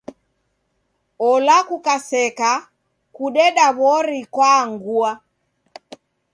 Ola kukaseka kudeda w'ori kwaangua.